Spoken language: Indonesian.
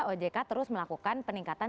ojk terus melakukan peningkatan